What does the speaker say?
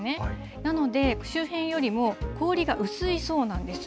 なので、周辺よりも氷が薄いそうなんです。